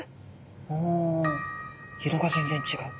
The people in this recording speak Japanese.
お色が全然違う。